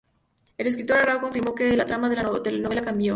El escritor Arrau confirmó que la trama de la telenovela cambió.